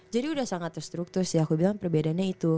jadi udah sangat terstruktur sih aku bilang perbedaannya itu